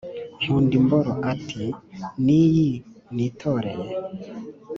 nkunda imboro, ati n'iyi nitoreye!!!